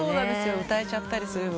歌えちゃったりするので。